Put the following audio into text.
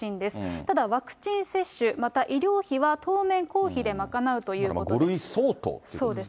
ただワクチン接種、また医療費は当面公費で賄うということです。